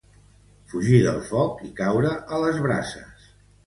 Fugir del foc i caure a les brases.